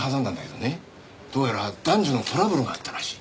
どうやら男女のトラブルがあったらしい。